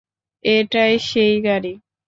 এটাই সেই গাড়ি।